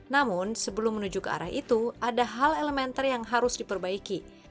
namun sebelum menuju ke arah itu ada hal elementer yang harus diperbaiki